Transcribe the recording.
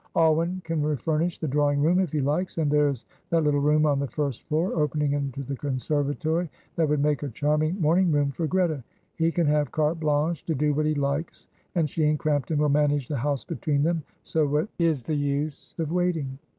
Alwyn can refurnish the drawing room, if he likes; and there is that little room on the first floor, opening into the conservatory, that would make a charming morning room for Greta. He can have carte blanche to do what he likes, and she and Crampton will manage the house between them, so what is the use of waiting?"